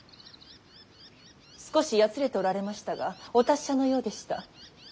少しやつれておられましたがお達者のようでした。